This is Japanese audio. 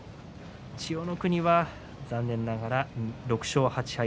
千代の国は残念ながら６勝８敗。